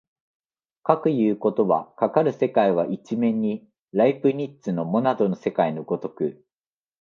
かくいうことは、かかる世界は一面にライプニッツのモナドの世界の如く